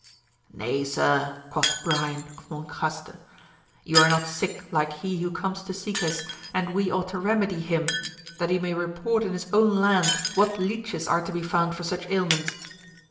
Nay, sir, quoth Brian, of Monjaste, you are not sick like he who comes to seek us, and we ought to remedy Jiim, that he may report in his own land what leeches are to be found for such ailments.